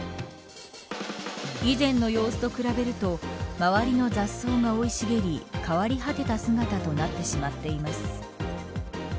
以前の様子と比べると周りの雑草が生い茂り変わり果てた姿となってしまっています。